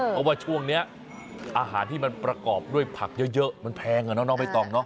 เพราะว่าช่วงนี้อาหารที่มันประกอบด้วยผักเยอะมันแพงอ่ะเนาะน้องใบตองเนาะ